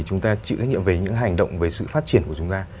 chúng ta chịu trách nhiệm về những hành động về sự phát triển của chúng ta